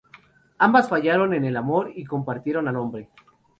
Ambas fallaron en el amor y compartieron al hombre.